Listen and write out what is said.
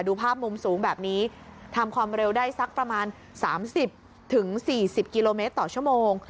ดูภาพมุมสูงแบบนี้ทำความเร็วได้สักประมาณ๓๐๔๐กิโลเมตรต่อชั่วโมง